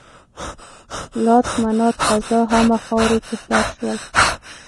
لات، منات، عزا همه خاورې په سر شول.